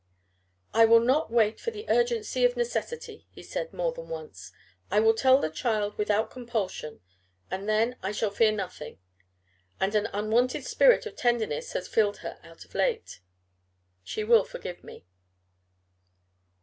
"I will not wait for the urgency of necessity," he said more than once. "I will tell the child without compulsion. And then I shall fear nothing. And an unwonted spirit of tenderness has filled her of late. She will forgive me."